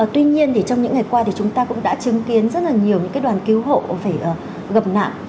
tuy nhiên trong những ngày qua thì chúng ta cũng đã chứng kiến rất nhiều đoàn cứu hậu phải gặp nạn